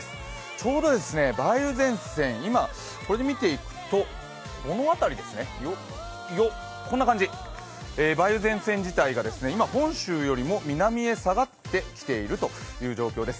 ちょうど梅雨前線、今これで見ていくとこの辺りですね、こんな感じ、梅雨前線自体が今、本州よりも南に下がってきている状況です。